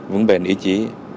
vững bền ý chí